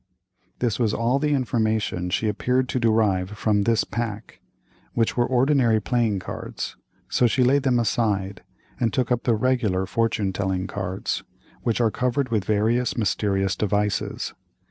This was all the information she appeared to derive from this pack, which were ordinary playing cards, so she laid them aside and took up the regular fortune telling cards, which are covered with various mysterious devices.